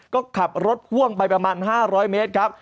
ก็ขับรถพ่วงไปประมาณ๕๐๐เมตรครับ